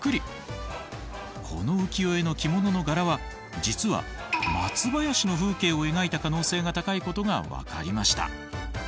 この浮世絵の着物の柄は実は松林の風景を描いた可能性が高いことが分かりました。